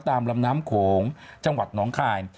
ตามลำน้ำของจังหวัดน้องคลาย